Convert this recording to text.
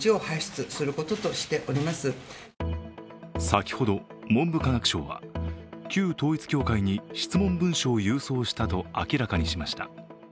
先ほど文部科学省は旧統一教会に質問文書を郵送したと明らかにしました。